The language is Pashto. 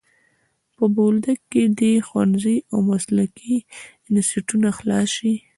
په بولدک کي دي ښوونځی او مسلکي انسټیټونه خلاص سي.